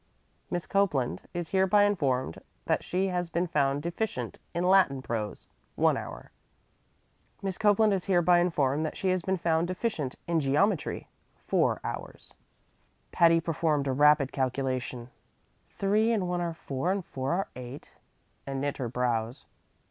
Miss Copeland is hereby informed that she has been found deficient in Latin prose (one hour). Miss Copeland is hereby informed that she has been found deficient in geometry (four hours). Patty performed a rapid calculation, "three and one are four and four are eight," and knit her brows.